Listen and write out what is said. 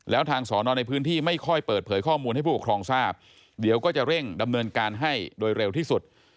แล้วทางสอนอนในพื้นที่ไม่ค่อยเปิดเผยข้อมูลให้ผู้ปกครองทราบเดี๋ยวก็จะเร่งดำเนินการให้โดยเร็วที่สุด